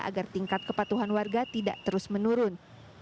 agar tingkat kepatuhan warga tidak terus menurun